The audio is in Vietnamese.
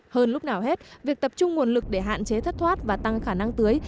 hơn lúc nào hết việc tập trung nguồn lực để hạn chế thất thoát và tăng khả năng tưới